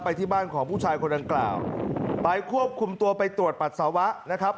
ที่บ้านของผู้ชายคนดังกล่าวไปควบคุมตัวไปตรวจปัสสาวะนะครับ